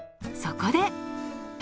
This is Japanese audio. そこで。